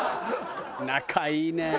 仲いいね！